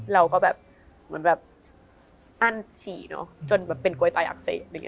เราก็แบบอั้นฉี่จนเป็นกล้วยตายอักเสบ